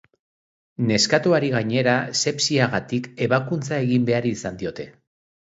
Neskatoari gainera sepsiagatik ebakuntza egin behar izan diote.